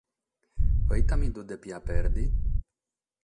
Pro ite mi lu depia pèrdere?